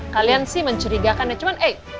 kalian sih mencurigakan ya cuma eh